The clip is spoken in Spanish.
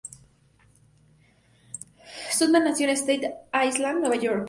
Sussman nació en Staten Island, Nueva York.